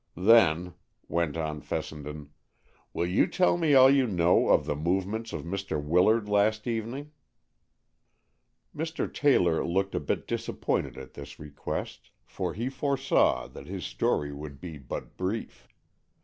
"Then," went on Fessenden, "will you tell me all you know of the movements of Mr. Willard last evening?" Mr. Taylor looked a bit disappointed at this request, for he foresaw that his story would be but brief.